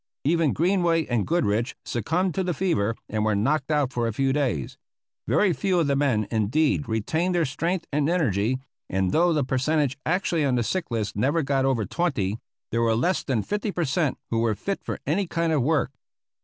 Even Greenway and Goodrich succumbed to the fever and were knocked out for a few days. Very few of the men indeed retained their strength and energy, and though the percentage actually on the sick list never got over twenty, there were less than fifty per cent who were fit for any kind of work.